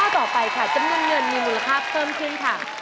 ข้อต่อไปค่ะจะเงินมีหนูแล้วค่ะเพิ่มขึ้นค่ะ